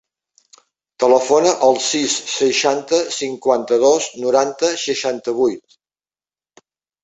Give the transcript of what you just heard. Telefona al sis, seixanta, cinquanta-dos, noranta, seixanta-vuit.